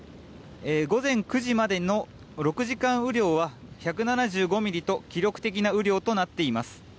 午前９時までの６時間雨量は１７５ミリと記録的な雨量となっています。